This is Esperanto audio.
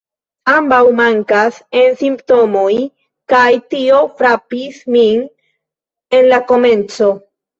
Ambaŭ mankas en Simptomoj, kaj tio frapis min de la komenco.